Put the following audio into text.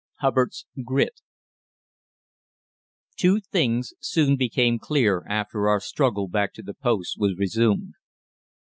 HUBBARD'S GRIT Two things soon became plain after our struggle back to the post was resumed.